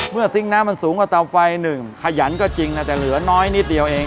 ซิงค์น้ำมันสูงกว่าเตาไฟหนึ่งขยันก็จริงนะแต่เหลือน้อยนิดเดียวเอง